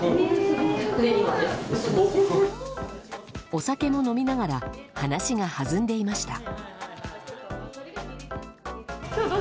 お酒も飲みながら話が弾んでいました。